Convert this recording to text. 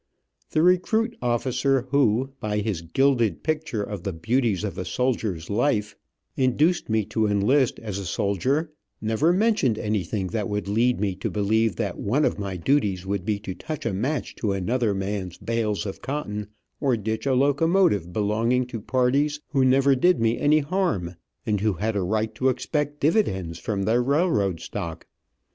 The recruit officer who, by his glided picture of the beauties of a soldier's life, induced me to enlist as a soldier, never mentioned anything that would lead me to believe that one of my duties would be to touch a match to another man's bales of cotton, or ditch a locomotive belonging to parties who never did me any harm, and who had a right to expect dividends from their railroad stock.